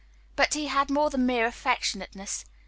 But he had more than mere affectionateness.